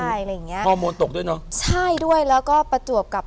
ใช่อะไรอย่างเงี้ยฮอร์โมนตกด้วยเนอะใช่ด้วยแล้วก็ประจวบกับ